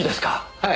はい。